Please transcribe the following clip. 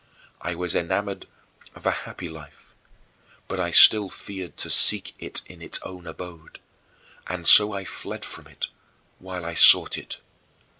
I was enamored of a happy life, but I still feared to seek it in its own abode, and so I fled from it while I sought it.